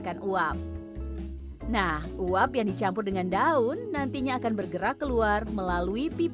kita sepuluh mili dan kita ada enam belas produk